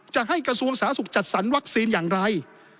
จะให้กระทรวงสาธารณสุขจัดสรรวัคซีนอย่างไร